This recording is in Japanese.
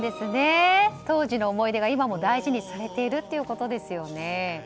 当時の思い出が今も大事にされているってことですね。